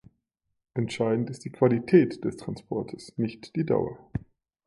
Entscheidend ist die Qualität des Transports, nicht die Dauer.